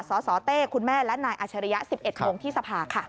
สสเต้คุณแม่และนายอาชริยะ๑๑โมงที่สภาค่ะ